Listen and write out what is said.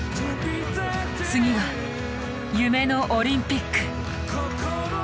次は夢のオリンピック。